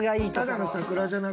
ただの桜じゃなく？